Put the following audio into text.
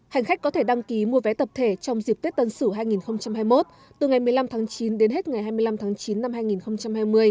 hành khách có thể đăng ký mua vé tập thể trong dịp tết tân sửu hai nghìn hai mươi một từ ngày một mươi năm tháng chín đến hết ngày hai mươi năm tháng chín năm hai nghìn hai mươi